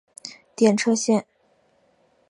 电车线。